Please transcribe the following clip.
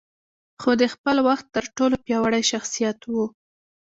خو د خپل وخت تر ټولو پياوړی شخصيت و.